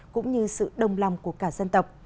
cũng như sự đồng lòng của cả dân tộc